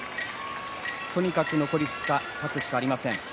とにかく残り２日勝つしかありません。